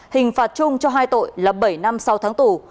hình phạt chung cho hai tội là bảy năm sau tháng tù